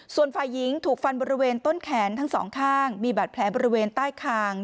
ส่วนฝ่ายหญิงถูกฟันบริเวณต้นแขนทั้งสองข้างมีบาดแผลบริเวณใต้คาง